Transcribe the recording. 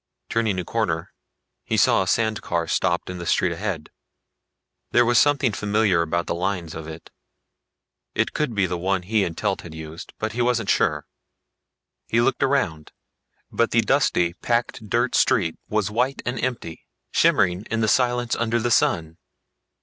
Turning a corner, he saw a sand car stopped in the street ahead. There was something familiar about the lines of it. It could be the one he and Telt had used, but he wasn't sure. He looked around, but the dusty, packed dirt street was white and empty, shimmering in silence under the sun.